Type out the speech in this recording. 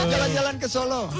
jalan jalan ke solo